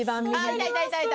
いたいたいたいた。